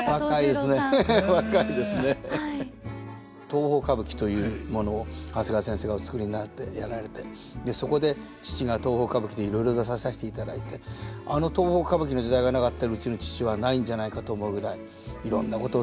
東宝歌舞伎というものを長谷川先生がお作りになってやられてそこで父が東宝歌舞伎でいろいろ出ささしていただいてあの東宝歌舞伎の時代がなかったらうちの父はないんじゃないかと思うぐらいいろんなこと